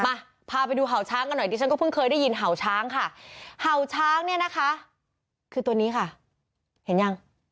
พาไปดูเห่าช้างกันหน่อยดิฉันก็เพิ่งเคยได้ยินเห่าช้างค่ะเห่าช้างเนี่ยนะคะคือตัวนี้ค่ะเห็นยัง